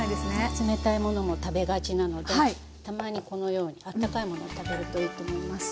冷たいものも食べがちなのでたまにこのように温かいものを食べるといいと思います。